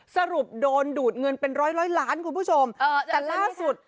สรุปโดนดูดเงินเป็นร้อยร้อยล้านคุณผู้ชมแต่ล่าสุด